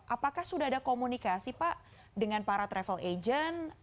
apakah sudah ada komunikasi pak dengan para travel agent